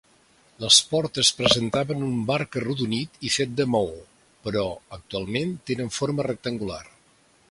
Les portes presentaven un marc arrodonit i fet de maó, però actualment tenen forma rectangular.